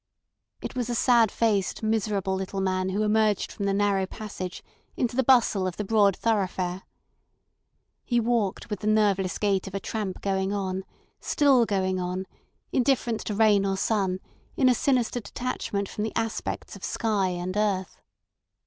It was a sad faced, miserable little man who emerged from the narrow passage into the bustle of the broad thoroughfare. He walked with the nerveless gait of a tramp going on, still going on, indifferent to rain or sun in a sinister detachment from the aspects of sky and earth.